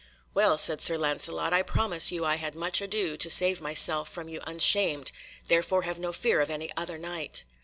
"Well," said Sir Lancelot, "I promise you I had much ado to save myself from you unshamed, therefore have no fear of any other Knight."